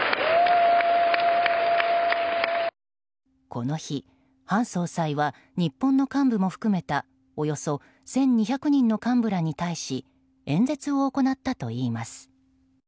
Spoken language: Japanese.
この日、韓総裁は日本の幹部も含めたおよそ１２００人の幹部らに対し演説を行ったといいます。